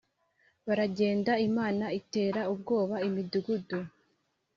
Baragenda Imana itera ubwoba imidugudu